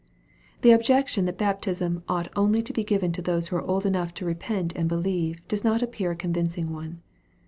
The objection that baptism ought only to be given to those who are old enough to repent and believe, does not appear a convincing one.